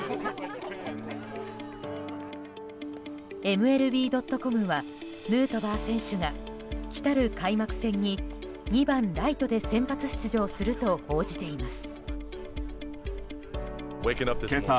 ＭＬＢ．ｃｏｍはヌートバー選手が来る開幕戦に２番ライトで先発出場すると報じています。